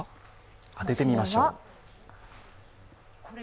当ててみましょう。